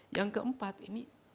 yang keempat ini